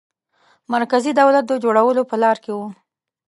مرکزي دولت د جوړولو په لاره کې وو.